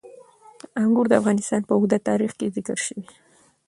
انګور د افغانستان په اوږده تاریخ کې ذکر شوی دی.